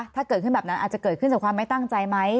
ถ้าเกิดขึ้นแบบนั้นอาจจะเกิดขึ้นจากความไม่ตั้งใจไหม